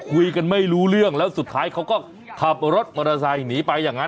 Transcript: คุยกันไม่รู้เรื่องแล้วสุดท้ายเขาก็ขับรถมอเตอร์ไซค์หนีไปอย่างนั้น